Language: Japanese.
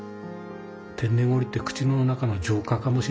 天ねん氷って口の中の浄化かもしれないね。